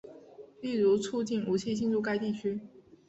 例如促进武器进入该地区。